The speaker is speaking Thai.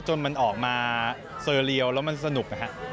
จนมันออกมาเซอร์เรียวแล้วมันสนุกนะฮะ